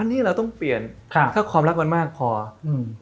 อันนี้เราต้องเปลี่ยนครับถ้าความรักมันมากพออืม